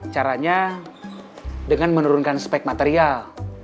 caranya dengan menurunkan spek material